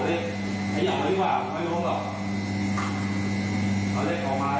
ผมไม่รู้หรอกเอาเล็กออกมาเลยล่ะ